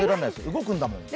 動くんだもん。